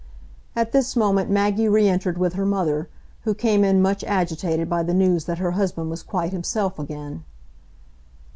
At this moment Maggie re entered with her mother, who came in much agitated by the news that her husband was quite himself again.